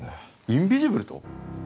インビジブルと！？